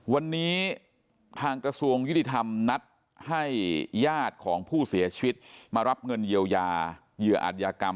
วันนี้ทางกระทรวงยุติธรรมนัดให้ญาติของผู้เสียชีวิตมารับเงินเยียวยาเหยื่ออัธยากรรม